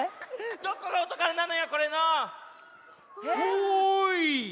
どこがおたからなのよこれの！おい！